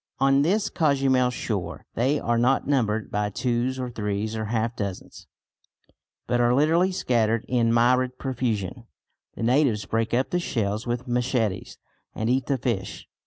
On this Cozumel shore they are not numbered by twos or threes or half dozens, but are literally scattered in myriad profusion. The natives break up the shells with machetes and eat the fish.